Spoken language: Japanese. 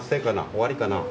終わりかな？